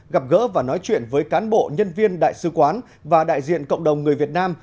gặp gỡ và nói chuyện với cán bộ nhân viên đại sứ quán và đại diện cộng đồng người việt nam